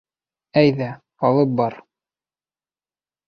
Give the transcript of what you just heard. Әйҙә, алып бар.